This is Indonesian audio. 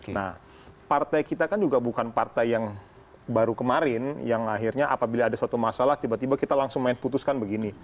nah partai kita kan juga bukan partai yang baru kemarin yang akhirnya apabila ada suatu masalah tiba tiba kita langsung main putuskan begini